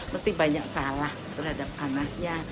mesti banyak salah terhadap anaknya